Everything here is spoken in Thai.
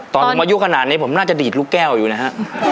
ตอนผมอายุขนาดนี้ผมน่าจะดีดลูกแก้วอยู่นะฮะ